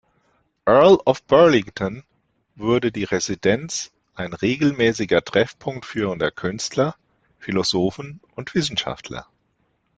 Earl of Burlington wurde die Residenz ein regelmäßiger Treffpunkt führender Künstler, Philosophen und Wissenschaftler.